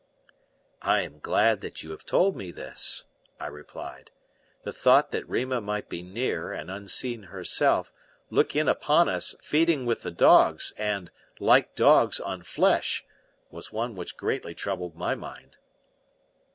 "I am glad that you have told me this," I replied. "The thought that Rima might be near, and, unseen herself, look in upon us feeding with the dogs and, like dogs, on flesh, was one which greatly troubled my mind."